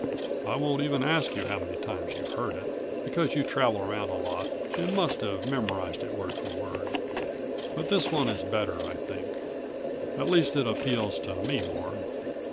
I won't even ask you how many times you've heard it, because you travel around a lot and must have memorized it word for word. But this one is better, I think. At least, it appeals to me more.